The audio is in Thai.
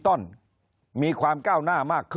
คนในวงการสื่อ๓๐องค์กร